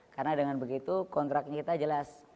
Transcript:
karena dengan begitu kontrak kita jelas